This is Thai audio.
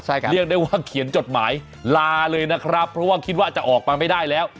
เรียกได้ว่าเขียนจดหมายลาเลยนะครับเพราะว่าคิดว่าจะออกมาไม่ได้แล้ว